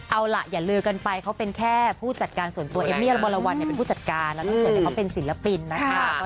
เอาล่ะอย่าลือกันไปเขาเป็นแค่ผู้จัดการส่วนตัวเอมมี่อบรวรรณเป็นผู้จัดการแล้วน้องเสือเขาเป็นศิลปินนะคะ